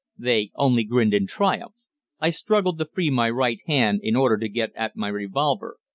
They only grinned in triumph. I struggled to free my right hand, in order to get at my revolver.